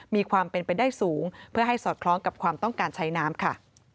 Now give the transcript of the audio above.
มีความเป็นไปได้สูงเพื่อให้สอดคล้องกับความต้องการใช้น้ำค่ะ